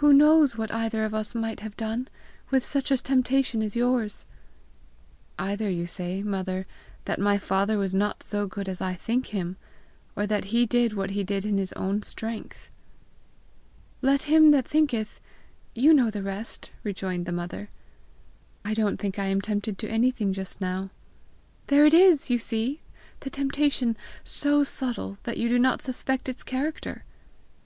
"Who knows what either of us might have done, with such a temptation as yours!" "Either you say, mother, that my father was not so good as I think him, or that he did what he did in his own strength!" "' Let him that thinketh ' you know the rest!" rejoined the mother. "I don't think I am tempted to anything just now." "There it is, you see! the temptation so subtle that you do not suspect its character!"